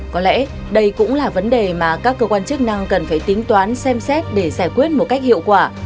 có lẽ đây cũng là vấn đề mà các cơ quan chức năng cần phải tính toán xem xét để giải quyết một cách hiệu quả